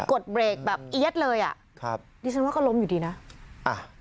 กดเบรกแบบเอี๊ยดเลยดิฉันว่าก็ล้มอยู่ดีนะ